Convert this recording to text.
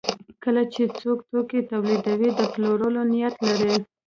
کله چې څوک توکي تولیدوي د پلورلو نیت لري.